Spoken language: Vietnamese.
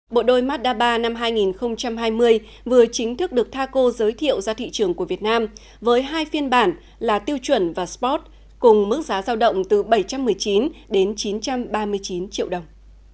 bộ đôi mazda ba hai nghìn hai mươi vừa chính thức được taco giới thiệu ra thị trường của việt nam với hai phiên bản là tiêu chuẩn và sport cùng mức giá giao động từ bảy trăm một mươi chín đến chín trăm ba mươi chín triệu đồng